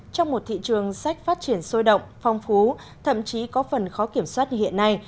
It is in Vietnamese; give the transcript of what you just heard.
trong một thị trường sách phát triển sôi động phong phú thậm chí có phần khó kiểm soát như hiện nay